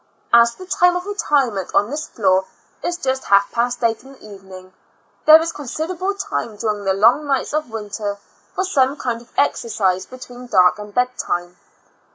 As the time of retirement on this floor is just half past eight in the evening, there is considerable time during the long nights of winter for some kind of exercise be tween dark and bed time.